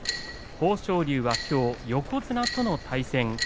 豊昇龍はきょう横綱との対戦。